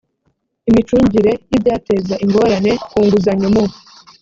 imicungire y’ibyateza ingorane ku nguzanyo mu